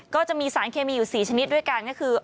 ก็จะมีสารเคมีอยู่๔ชนิดด้วยกันก็คือ